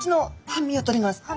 半身を取ります。